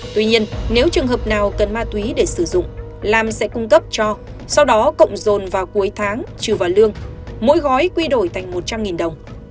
tuy nhiên nếu trường hợp nào cần ma túy để sử dụng lam sẽ cung cấp cho sau đó cộng dồn vào cuối tháng trừ vào lương mỗi gói quy đổi thành một trăm linh đồng